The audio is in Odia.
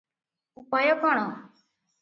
ଉପାୟ କଣ?